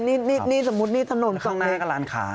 นี่สมมุตินี่ถนนข้างหน้าก็ร้านค้า